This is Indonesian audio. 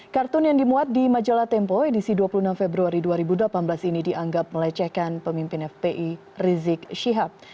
kartun yang dimuat di majalah tempo edisi dua puluh enam februari dua ribu delapan belas ini dianggap melecehkan pemimpin fpi rizik syihab